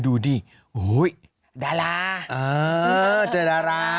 ดูดิโอ้ยดารา